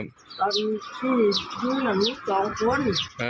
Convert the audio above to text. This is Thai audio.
ตอนนี้จูนอันนี้๒คน